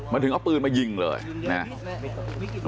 มันถึงเอาปืนมายิงเลยนะครับ